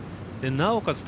なおかつ